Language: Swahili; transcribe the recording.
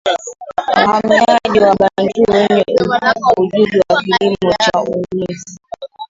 wahamiaji Wabantu wenye ujuzi wa kilimo na uhunzi